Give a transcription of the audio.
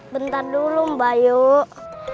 bentar dulu mbak yuk